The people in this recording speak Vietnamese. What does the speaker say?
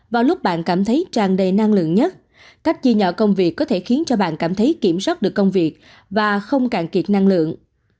vào lúc bạn cảm thấy tràn đầy năng lượng nhất cách chia nhỏ công việc có thể khiến cho bạn cảm thấy kiểm soát được công việc và không càng kiệt năng lượng